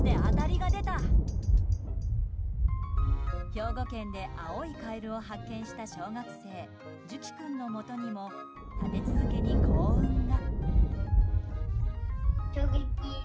兵庫県で青いカエルを発見した小学生樹希君のもとにも立て続けに幸運が。